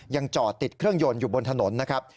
ยังจอดติดเครื่องยนต์อยู่บนถนนนะครับ